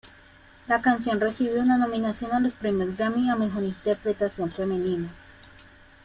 La canción recibió una nominación a los Premios Grammy a Mejor Interpretación Femenina